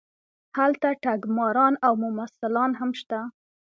هلته ټګماران او ممثلان هم شته.